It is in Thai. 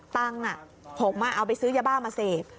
ตังค์๖มาเอาไปซื้อยาบ้ามาเสพ